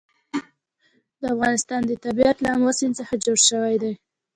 د افغانستان طبیعت له آمو سیند څخه جوړ شوی دی.